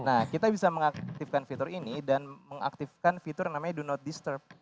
nah kita bisa mengaktifkan fitur ini dan mengaktifkan fitur namanya do not disturb